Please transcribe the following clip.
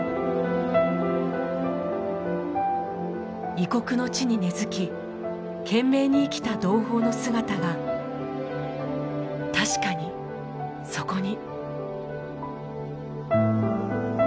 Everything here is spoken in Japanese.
異国の地に根付き懸命に生きた同胞の姿が確かにそこに。